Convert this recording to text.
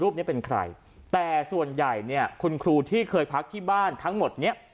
นี้เป็นใครแต่ส่วนใหญ่เนี่ยคุณครูที่เคยพักที่บ้านทั้งหมดเนี้ย